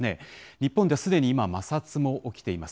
日本ですでに今、摩擦も起きています。